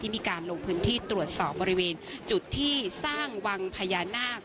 มีการลงพื้นที่ตรวจสอบบริเวณจุดที่สร้างวังพญานาค